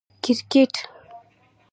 🏏 کرکټ